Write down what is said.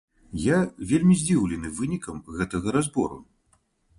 Я вельмі здзіўлены вынікам гэтага разбору.